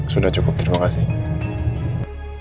sudah cukup terima kasih